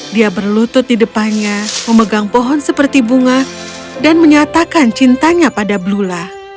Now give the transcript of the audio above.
dia berlutut di depannya memegang pohon seperti bunga dan menyatakan cintanya pada blula